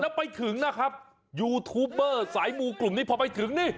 แล้วไปถึงนะครับยูทูปเบอร์สายมูกลุ่มนี้พอไปถึงนี่